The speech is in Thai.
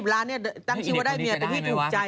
ร้านนี่ตั้งชีวิวว่าได้เมียแต่พี่ถูกใจ